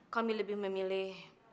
kami lebih memilih